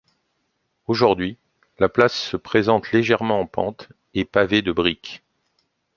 Aujourd'hui, la place se présente légèrement en pente et pavée de briques.